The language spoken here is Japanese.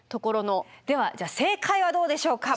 では正解はどうでしょうか。